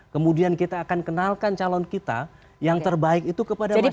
kemudian kita akan kenalkan calon kita yang terbaik itu kepada masyarakat